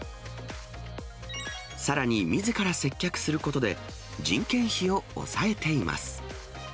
さらにみずから接客することで、人件費を抑えています。